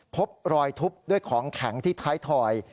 พบรอยทุบด้วยของแข็งที่ท้ายถอย